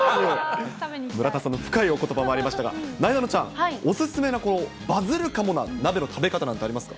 村田さんの深いおことばもありましたが、なえなのちゃん、お勧めのバズルかもな鍋の食べ方なんて、ありますか？